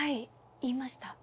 言いました。